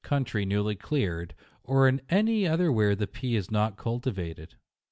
country newly cleared, or in any other where the pea is not cultivated.